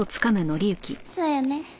そうよね。